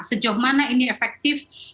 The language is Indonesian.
sejauh mana ini efektif